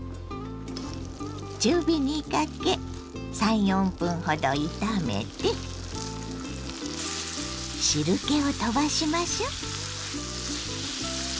中火にかけ３４分ほど炒めて汁けを飛ばしましょう。